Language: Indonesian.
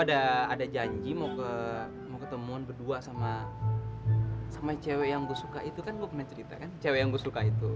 gue ada janji mau ketemuan berdua sama cewek yang gue suka itu kan gue pernah cerita kan cewek yang gue suka itu